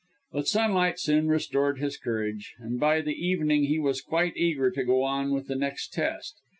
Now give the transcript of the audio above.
But sunlight soon restored his courage, and by the evening he was quite eager to go on with the next test.